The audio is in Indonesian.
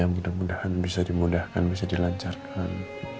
mudah mudahan bisa dimudahkan bisa dilancarkan